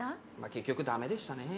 結局駄目でしたねえ。